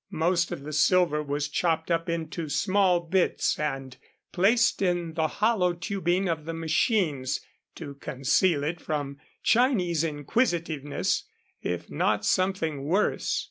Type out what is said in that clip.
Most of the silver was chopped up into small bits, and placed in the hollow tubing of the machines to conceal it from Chinese inquisitiveness, if not something worse.